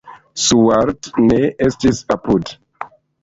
Stuart ne estis apud.